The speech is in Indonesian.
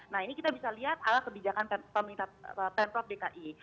nah ini kita bisa lihat ala kebijakan pemprov dki